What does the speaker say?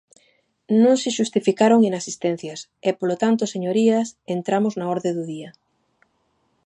Non se xustificaron inasistencias e, polo tanto, señorías, entramos na orde do día.